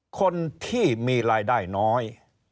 คนที่มีรายได้น้อย